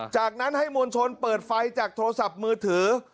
จากนั้นให้มวลชนเปิดไฟจากโทรศัพท์มือถือ